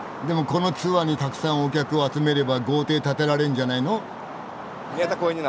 このツアーにたくさんお客を集めれば豪邸建てられんじゃないの？